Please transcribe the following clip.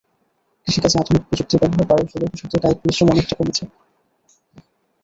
কৃষিকাজে আধুনিক প্রযুক্তির ব্যবহার বাড়ার ফলে কৃষকদের কায়িক পরিশ্রম অনেকটা কমেছে।